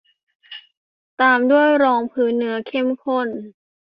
ตามด้วยรองพื้นเนื้อเข้มข้น